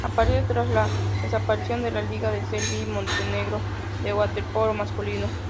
Aparece tras la desaparición de la Liga de Serbia y Montenegro de waterpolo masculino.